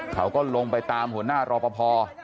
เขาก็ลงไปตามหัวหน้ารอปภ